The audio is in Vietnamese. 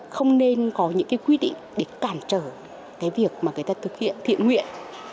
không nên có những cái quy định để cản trở cái việc mà người ta thực hiện thiện nguyện